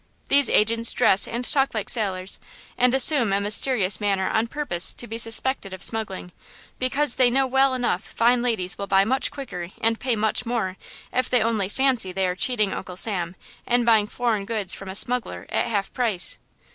These agents dress and talk like sailors and assume a mysterious manner on purpose to be suspected of smuggling, because they know well enough fine ladies will buy much quicker and pay much more if they only fancy they are cheating Uncle Sam in buying foreign goods from a smuggler at half price."